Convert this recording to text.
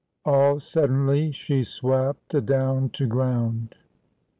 AL SODENLY SHE SWAPT ADOWX TO GKOt.ND.'